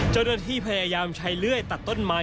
เจ้าหน้าที่พยายามใช้เลื่อยตัดต้นไม้